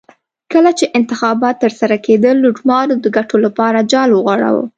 کله چې انتخابات ترسره کېدل لوټمارو د ګټو لپاره جال وغوړاوه.